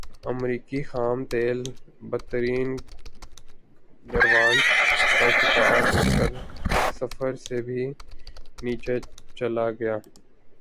امریکی خام تیل بدترین گراوٹ کا شکار ہوکر صفر سے بھی نیچے چلا گیا